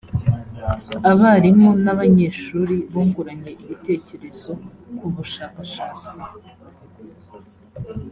abarimu n’abanyeshuri bunguranye ibitkerezo kubushakashatsi